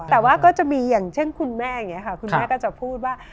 แต่ว่าก็จะมีอย่างเช่นคุณแม่อย่างนี้ค่ะคุณแม่ก็จะพูดว่า